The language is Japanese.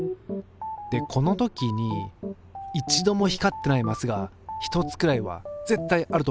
でこの時に一度も光ってないマスが一つくらいは絶対あると思うんですよ。